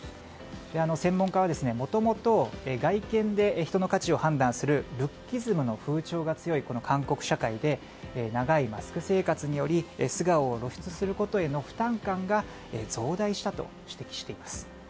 専門家は、もともと外見で人の価値を判断するルッキズムの風潮が強い韓国社会で長いマスク生活により素顔を露出することへの負担感が増大したと指摘しています。